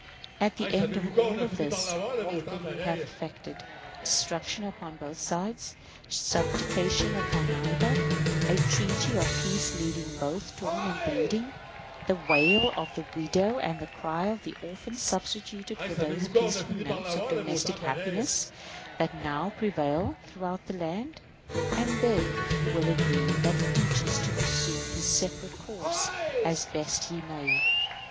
At the end of all this what will you have effected? Destruction upon both sides; subjugation upon neither; a treaty of peace leaving both torn and bleeding; the wail of the widow and the cry of the orphan substituted for those peaceful notes of domestic happiness that now prevail throughout the land; and then you will agree that each is to pursue his separate course as best he may.